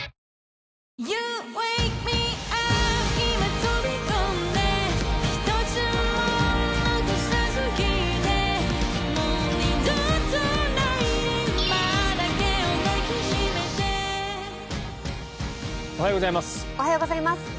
おはようございます。